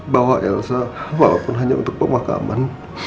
bahwa elsa walaupun hanya untuk pemakaman